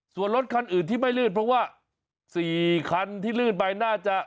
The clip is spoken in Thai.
ส่วนรถคันอื่นที่ไม่ลื่นเพราะว่า๔คันที่ลื่นไปน่าจะ